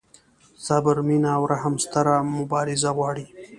صبر، مینه او رحم ستره مبارزه غواړي.